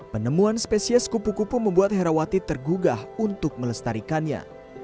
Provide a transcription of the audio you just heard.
penemuan spesies kupu kupu membuat herawati tergugah untuk melestarikannya